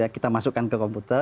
kita masukkan ke komputer